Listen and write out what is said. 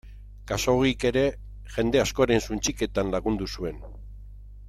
Khaxoggik ere jende askoren suntsiketan lagundu zuen.